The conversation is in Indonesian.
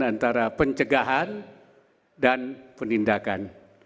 antara pencegahan dan penindakan